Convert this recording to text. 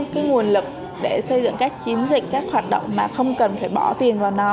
cái nguồn lực để xây dựng các chiến dịch các hoạt động mà không cần phải bỏ tiền vào nó